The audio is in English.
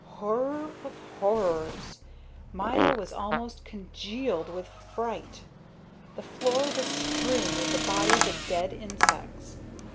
Horror of horrors! Maya was almost congealed with fright: the floor was strewn with the bodies of dead insects.